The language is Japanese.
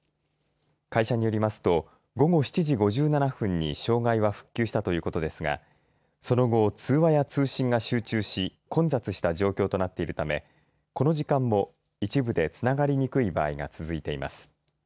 会社によりますと午後７時５７分に障害は復旧したということですがその後、通話や通信が集中し混雑した状況となっているためこの時間も一部でつながりにくい場合が続いています。